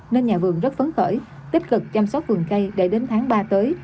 nên nhà vườn rất phấn khởi tích cực chăm sóc vườn cây để đến tháng ba tới